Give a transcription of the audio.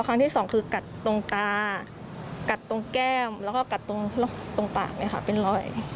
ครั้งที่สองคือกัดตรงตากัดตรงแก้มแล้วก็กัดตรงปากเลยค่ะเป็นรอย